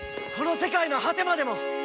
この世界の果てまでも！